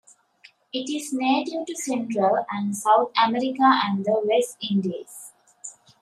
It is native to Central and South America and the West Indies.